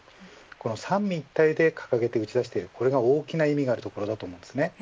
この三位一体で掲げて打ち出していることに大きな意味があると思います。